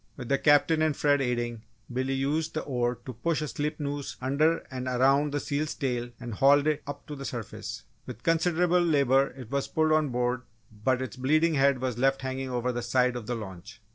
With the Captain and Fred aiding, Billy used the oar to push a slip noose under and around the seal's tail and hauled it up to the surface. With considerable labour it was pulled on board but its bleeding head was left hanging over the side of the launch.